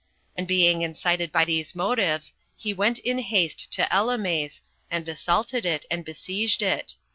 And being incited by these motives, he went in haste to Elymais, and assaulted it, and besieged it.